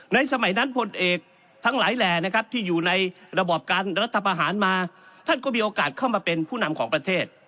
สมัยนั้นพลเอกทั้งหลายแหล่นะครับที่อยู่ในระบอบการรัฐประหารมาท่านก็มีโอกาสเข้ามาเป็นผู้นำของประเทศ